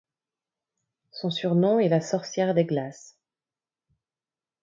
Son surnom est la Sorcière des Glaces.